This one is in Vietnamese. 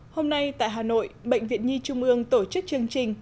hôm nay tại hà nội bệnh viện nhi trung ương tổ chức chương trình